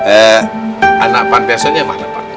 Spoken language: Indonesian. eh anak panti asuhnya mana pak